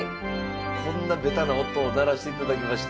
こんなベタな音を鳴らしていただきまして。